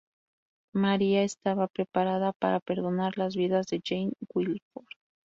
María estaba preparada para perdonar las vidas de Jane y Guilford.